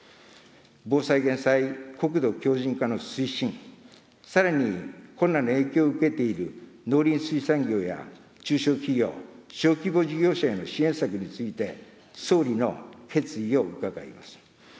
防災・減災、国土強じん化の推進、さらにコロナの影響を受けている農林水産業や中小企業・小規模事業者への支援策について、総理の決意を伺います。